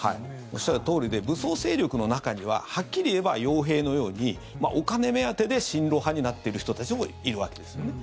おっしゃるとおりで武装勢力の中にははっきり言えば傭兵のようにお金目当てで親ロ派になっている人たちもいるわけですよね。